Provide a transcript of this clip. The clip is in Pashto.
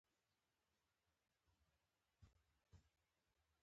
د شمال د ایله جاریانو په وړاندې چا خبرې نه شوای کولای.